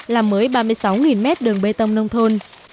làm mới ba mươi sáu mét đường bê tông nông thôn